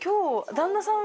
旦那さん